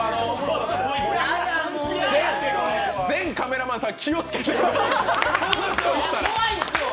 全カメラマンさん、気をつけて。